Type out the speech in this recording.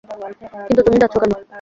কিন্তু তুমি যাচ্ছো কেন?